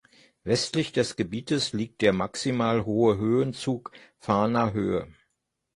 Westlich des Gebietes liegt der maximal hohe Höhenzug "Fahner Höhe".